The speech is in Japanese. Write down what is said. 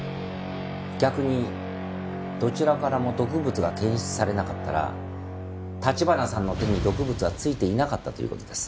逆にどちらからも毒物が検出されなかったら橘さんの手に毒物は付いていなかったという事です。